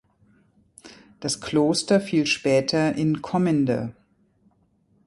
Das Kloster fiel später in Kommende.